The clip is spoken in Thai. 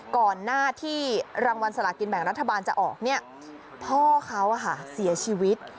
ก่อนหน้าที่รางวัลสลากินแบ่งรัฐบาลจะออกเนี่ยพ่อเขาเสียชีวิต